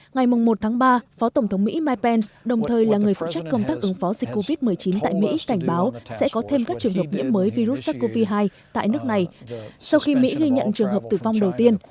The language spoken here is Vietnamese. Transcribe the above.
ngày một ba phó tổng thống mỹ mike pence đồng thời là người phụ trách công tác ứng phó dịch covid một mươi chín tại mỹ cảnh báo sẽ có thêm các trường hợp nhiễm mới virus sars cov hai tại nước này sau khi mỹ ghi nhận trường hợp tử vong đầu tiên